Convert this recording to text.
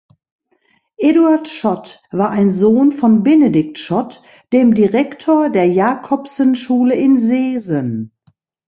Eduard Schott war ein Sohn von Benedikt Schott, dem Direktor der Jacobson-Schule in Seesen.